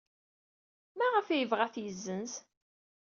Maɣef ay yebɣa ad t-yessenz?